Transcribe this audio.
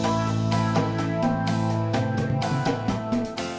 makanya aku mereka tinggal sih